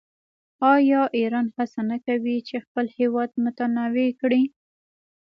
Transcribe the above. آیا ایران هڅه نه کوي چې خپل اقتصاد متنوع کړي؟